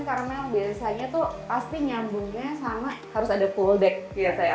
karena biasanya tuh pasti nyambungnya sama harus ada pullback gitu ya